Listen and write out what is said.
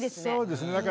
そうですね。